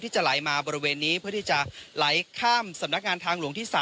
จะไหลมาบริเวณนี้เพื่อที่จะไหลข้ามสำนักงานทางหลวงที่๓